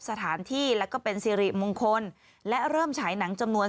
สถานที่และก็เป็นสิริมงคลและเริ่มฉายหนังจำนวน